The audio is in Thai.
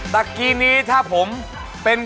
ตะกี้นี้ถ้าผมเป็น